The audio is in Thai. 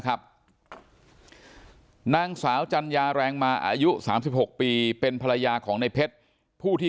ครับนางสาวจัญญาแรงมาอายุ๓๖ปีเป็นภรรยาของในเพชรผู้ที่